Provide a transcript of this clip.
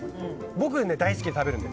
僕、大好きで食べるので。